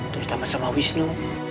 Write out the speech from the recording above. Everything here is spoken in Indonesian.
terutama sama wisnu